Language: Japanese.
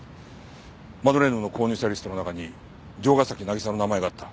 マドレーヌの購入者リストの中に城ヶ崎渚の名前があった。